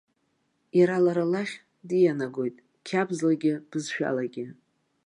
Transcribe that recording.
Иара лара лахь дианагоит қьабзлагьы бызшәалагьы.